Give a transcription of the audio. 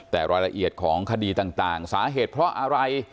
แต่รายละเอียดของคดีต่างสาเหตุเพราะอะไร